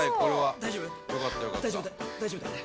大丈夫だね？